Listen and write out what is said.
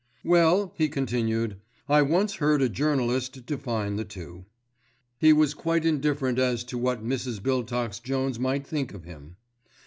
'" "Well," he continued, "I once heard a journalist define the two." Ha was quite indifferent as to what Mrs. Biltox Jones might think of him.